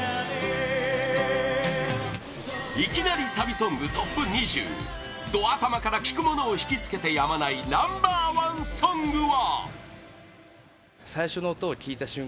いきなりサビソングトップ２０ド頭から聴く者を引きつけてやまないナンバー１ソングは！